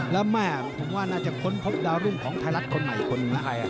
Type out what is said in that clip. แล้วแม่ผมว่าน่าจะค้นพบดาวรุ่งของไทยรัฐคนใหม่อีกคนนึง